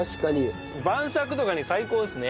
晩酌とかに最高ですね。